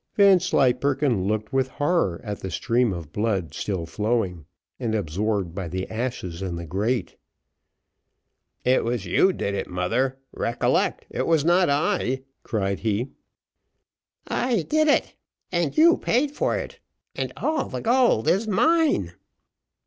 Vanslyperken looked with horror at the stream of blood still flowing, and absorbed by the ashes in the grate. "It was you did it, mother; recollect it was not I," cried he. "I did it and you paid for it and all the gold is mine."